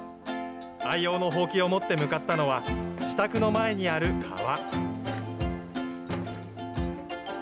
愛用の箒を持って向かったのは、自宅の前にある川。